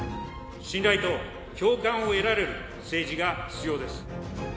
信頼と共感を得られる政治が必要です。